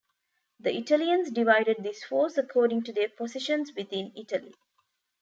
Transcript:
The Italians divided this force according to their positions within Italy.